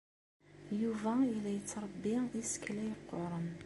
Yuba yella yettebbi isekla yeqquren.